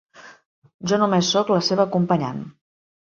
Jo només soc la seva acompanyant.